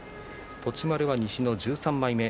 栃丸は西の１３枚目。